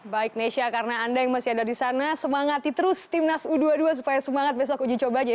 baik nesya karena anda yang masih ada di sana semangati terus timnas u dua puluh dua supaya semangat besok uji coba aja